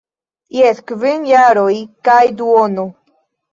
Jes, kvin jaroj kaj duono.